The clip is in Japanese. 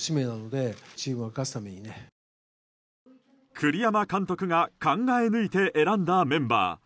栗山監督が考え抜いて選んだメンバー。